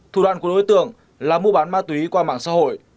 thủ đoạn của đối tượng là mua bán ma túy qua mạng xã hội